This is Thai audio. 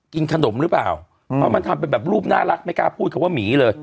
กินขนมหรือเปล่าเพราะมันทำเป็นแบบรูปน่ารักไม่กล้าพูดคำว่าหมีเลย